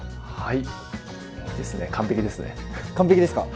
はい。